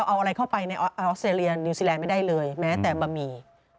เอาอะไรเข้าไปในออสเตรเลียนิวซีแลนด์ไม่ได้เลยแม้แต่บะหมี่